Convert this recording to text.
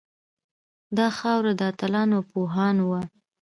دا خاوره د اتلانو او پوهانو وه